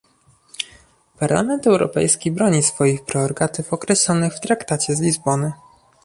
Parlament Europejski broni swoich prerogatyw określonych w Traktacie z Lizbony